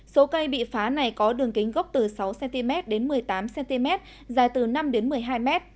số cây bị phá này có đường kính gốc từ sáu cm đến một mươi tám cm dài từ năm một mươi hai m